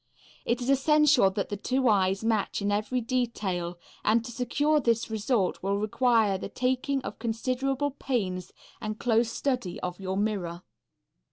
It is essential that the two eyes match in every detail, and to secure this result will require the taking of considerable pains and close study of your mirror.